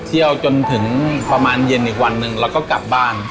เที่ยวจนถึงประมาณเย็นอีกวันหนึ่งแล้วก็กลับบ้าน